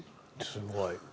すごい。